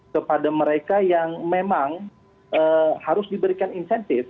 kepada mereka yang memang harus diberikan insentif